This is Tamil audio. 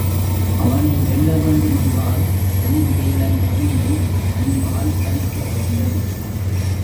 அவனை வெல்ல வேண்டுமென்றால் அயில்வேலன் கவியை அன்பால் படிக்க வேண்டும்.